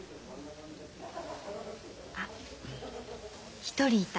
あ一人いた。